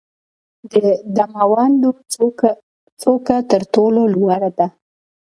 د دماوند څوکه تر ټولو لوړه ده.